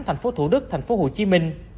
thành phố thủ đức thành phố hồ chí minh